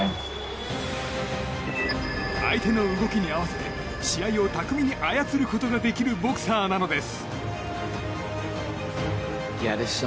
相手の動きに合わせて試合を巧みに操ることができるボクサーなのです。